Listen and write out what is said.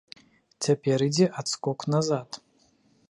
Цяпер ідзе адскок назад.